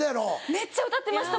めっちゃ歌ってました